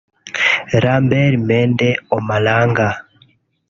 Lambert Mende Omalanga